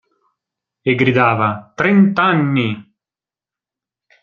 E gridava: – Trent'anni!